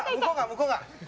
向こう側。